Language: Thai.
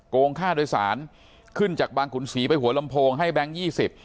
งค่าโดยสารขึ้นจากบางขุนศรีไปหัวลำโพงให้แบงค์ยี่สิบ